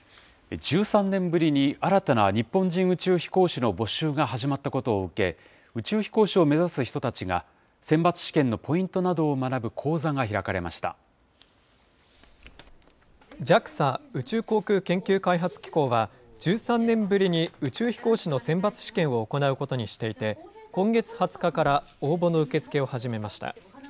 １３年ぶりに新たな日本人宇宙飛行士の募集が始まったことを受け、宇宙飛行士を目指す人たちが選抜試験のポイントなどを学ぶ講座がＪＡＸＡ・宇宙航空研究開発機構は、１３年ぶりに宇宙飛行士の選抜試験を行うことにしていて、今月２０日から応募の受け付けを始めました。